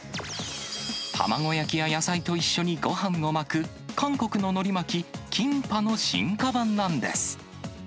卵焼きや野菜と一緒にごはんを巻く、韓国ののり巻き、キンパの進化版なんです。